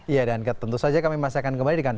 ya dan tentu saja kami masih akan kembali dengan